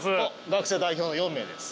学生代表の４名です。